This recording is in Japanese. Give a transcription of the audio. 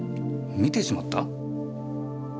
見てしまった？